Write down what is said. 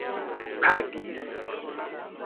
pagis